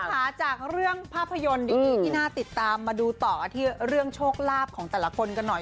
ค่ะจากเรื่องภาพยนตร์ดีที่น่าติดตามมาดูต่อกันที่เรื่องโชคลาภของแต่ละคนกันหน่อย